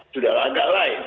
sudah agak lain